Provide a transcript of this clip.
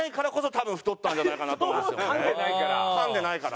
噛んでないから？